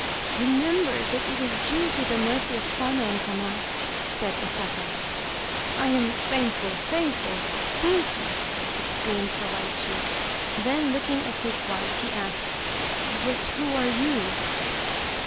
" Remember that it is due to the mercy of Kwannon Sama," said O Sato. " I am thankful, thankful, thankful !" exclaimed Sawaichi. Then looking at his wife, he asked :" But who are you